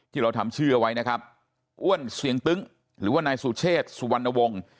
ที่เราทำชื่อเอาไว้นะครับอ้วนเสียงตึ้งหรือว่านายสุเชษสุวรรณวงศ์